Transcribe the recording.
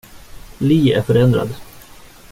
Lee är förändrad.